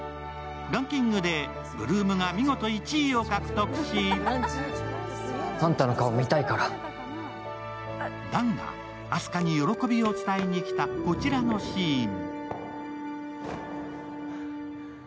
ランキングで８ＬＯＯＭが見事１位を獲得してて弾があす花に喜びを伝えに来たこちらのシーン。